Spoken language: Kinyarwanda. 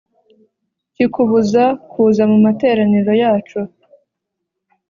Kikubuza kuza mu materaniro yacu